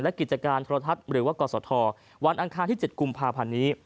และกิจการโทรทัศน์หรือว่ากศธวันอังคารที่๗กุมภาพันธ์นี้